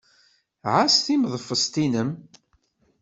Ɛass timeḍfest-nnem.